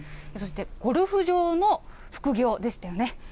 そして、ゴルフ場の副業でしたよね。